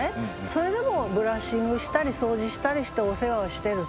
それでもブラッシングしたり掃除したりしてお世話をしてる。